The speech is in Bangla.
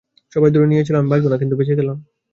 সবাই ধরে নিয়েছিল আমি বাঁচব না, কিন্তু বেঁচে গেলাম।